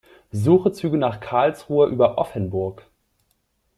Suche Züge nach Karlsruhe über Offenburg.